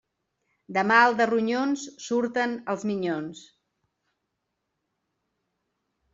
De mal de ronyons surten els minyons.